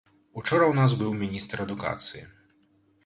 Учора ў нас быў міністр адукацыі.